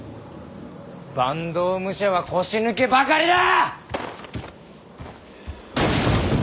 坂東武者は腰抜けばかりだ！